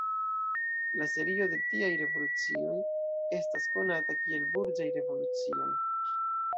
La serio de tiaj revolucioj estas konata kiel Burĝaj revolucioj.